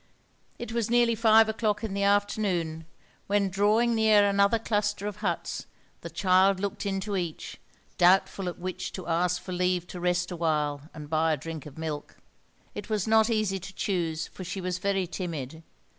It was nearly five o'clock in the afternoon when, drawing near another cluster of huts, the child looked into each, doubtful at which to ask for leave to rest awhile and buy a drink of milk. It was not easy to choose, for she was very timid.